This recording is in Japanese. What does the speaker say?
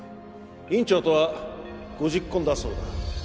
院長とはご昵懇だそうだ。